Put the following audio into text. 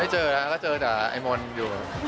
เจอนะก็เจอแต่ไอ้มนต์อยู่